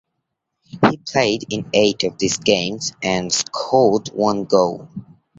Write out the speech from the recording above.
He played in eight of these games and scored one goal.